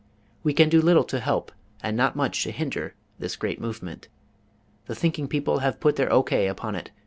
We can do little to help and not much to hinder this great movement. The thinking people have put their O.K. upon it.